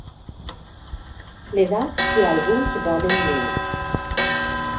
L'edat que alguns volen New.